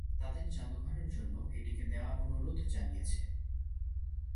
তাদের জাদুঘরের জন্য এটিকে দেওয়ার অনুরোধ জানিয়েছে।